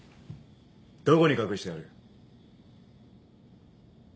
どこに隠してある？